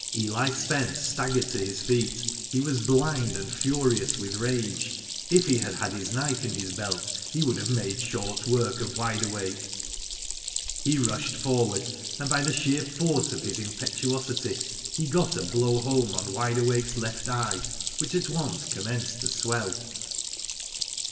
Eli Spence staggered to his feet. He was blind and furious with rage. If he had had his knife in his belt he would have made short work of Wide Awake. He rushed forward, and by the sheer force of his impetuosity, he got a blow home on Wide Awake's left eye, which at once commenced to swell.